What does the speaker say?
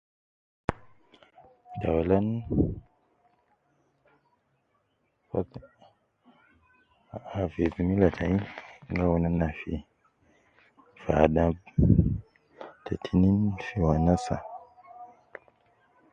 ta aulan, ab hafidhi milla tayi awunu ana fi adab, ta tinein fi wanasa.